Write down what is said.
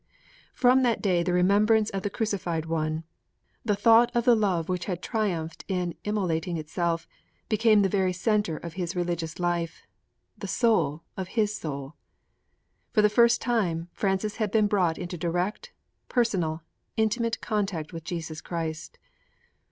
From that day the remembrance of the Crucified One, the thought of the love which had triumphed in immolating itself, became the very center of his religious life, the soul of his soul. For the first time, Francis had been brought into direct, personal, intimate contact with Jesus Christ.'